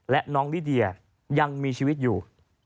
และน้องลิเดียยังมีชีวิตอยู่